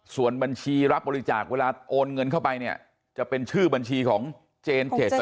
ส่วนบัญชีรับบริจาคเวลาโอนเงินเข้าไปเนี่ยจะเป็นชื่อบัญชีของเจนเจษฎ